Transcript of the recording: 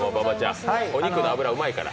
お肉の脂うまいから。